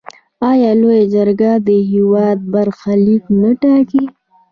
آیا لویه جرګه د هیواد برخلیک نه ټاکي؟